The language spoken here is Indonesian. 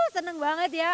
seneng banget ya